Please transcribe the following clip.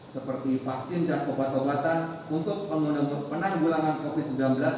seperti vaksin dan obat obatan untuk membentuk penanggulangan covid sembilan belas